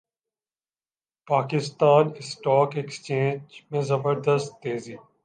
Pakistan stock exchange میں زبردست تیزی